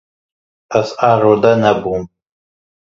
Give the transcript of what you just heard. Ez arode nebûm.